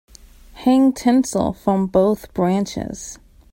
Hang tinsel from both branches.